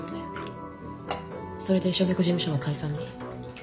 それで所属事務所は解散に。